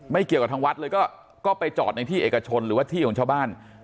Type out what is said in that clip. เกี่ยวกับทางวัดเลยก็ไปจอดในที่เอกชนหรือว่าที่ของชาวบ้าน